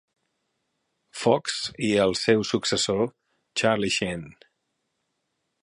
Fox i el seu successor, Charlie Sheen.